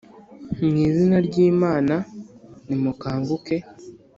mu izina ry Imana Nimukanguke